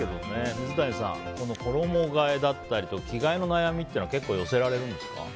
水谷さん、衣替えだったり着替えの悩みというのは結構寄せられるんですか？